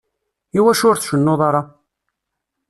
Iwacu ur tcennuḍ ara?